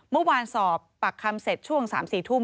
เมื่อวานสอบปากคำเสร็จช่วง๓๔ทุ่ม